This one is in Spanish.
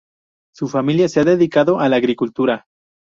Su familia se ha dedicado a la agricultura.